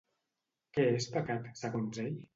Què és pecat, segons ell?